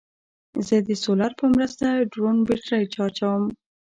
زه د سولر په مرسته ډرون بیټرۍ چارجوم.